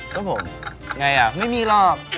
ก็ผมไม่มีหรอก